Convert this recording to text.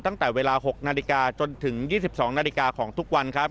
ตั้งแต่เวลา๖นาฬิกาจนถึง๒๒นาฬิกาของทุกวันครับ